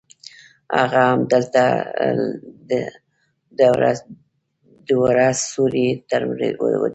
هملته د وره سیوري ته ودریدم.